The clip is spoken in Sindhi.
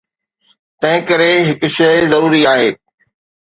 تنهنڪري هڪ شيء ضروري آهي.